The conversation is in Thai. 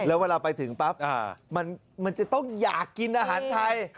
แล้วเวลาไปถึงปั๊บมันจะต้องอยากกินอาหารไทย